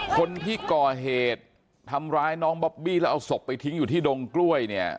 คนที่ก่อเหตุทำร้ายน้องบอบบี้แล้วเอาศพไปทิ้งอยู่ที่ดงกล้วยเนี่ย